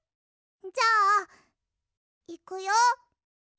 じゃあいくよ！